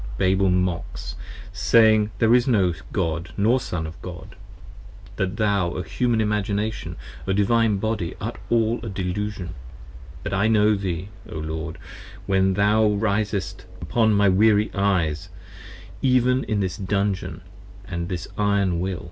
Babel mocks, saying, there is no God nor Son of God: That thou, O Human Imagination, O Divine Body, art all A delusion: but I know thee, O Lord, when thou arisest upon My weary eyes, even in this dungeon & this iron will.